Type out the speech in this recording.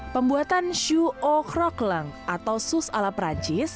pembuatan sous au croquelain atau sus ala perancis